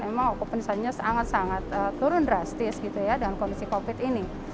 memang okupansinya sangat sangat turun drastis gitu ya dengan kondisi covid ini